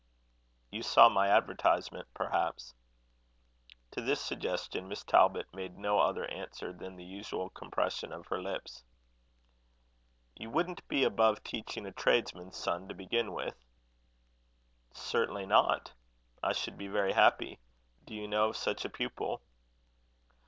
"You saw my advertisement, perhaps?" To this suggestion Miss Talbot made no other answer than the usual compression of her lips. "You wouldn't be above teaching a tradesman's son to begin with?" "Certainly not. I should be very happy. Do you know of such a pupil?"